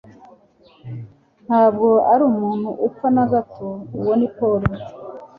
Ntabwo ari umuntu upfa na gato ... uwo ni Paul!